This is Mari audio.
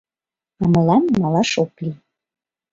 А мылам малаш ок лий.